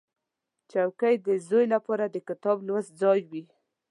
چوکۍ د زوی لپاره د کتاب لوست ځای وي.